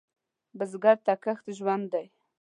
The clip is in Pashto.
بزګر ته کښت ژوند دی